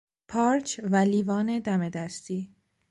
پارچ و لیوان دم دستی